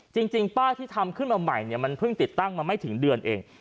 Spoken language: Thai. จริงป้ายที่ทำขึ้นมาใหม่เนี่ยมันเพิ่งติดตั้งมาไม่ถึงเดือนเอง